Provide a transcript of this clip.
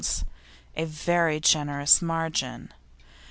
a very generous margin.